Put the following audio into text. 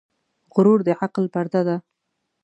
غرور د عقل پرده ده .